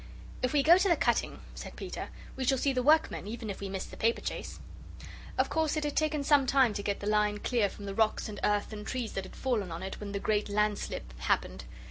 "If we go to the cutting," said Peter, "we shall see the workmen, even if we miss the paperchase." Of course it had taken some time to get the line clear from the rocks and earth and trees that had fallen on it when the great landslip happened.